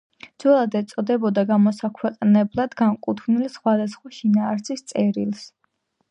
ძველად ეწოდებოდა გამოსაქვეყნებლად განკუთვნილ სხვადასხვა შინაარსის წერილს.